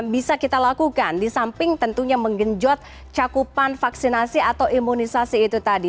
bisa kita lakukan di samping tentunya menggenjot cakupan vaksinasi atau imunisasi itu tadi